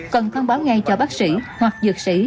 cần thông báo ngay cho bác sĩ hoặc dược sĩ